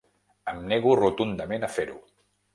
Em nego rotundament a fer-ho!